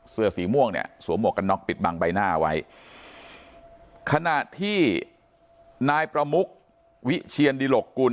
เสื้อสีม่วงเนี่ยสวมหวกกันน็อกปิดบังใบหน้าไว้ขณะที่นายประมุกวิเชียนดิหลกกุล